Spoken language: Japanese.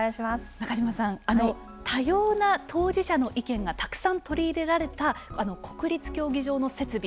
中嶋さん、多様な当事者の意見がたくさん取り入れられた国立競技場の設備。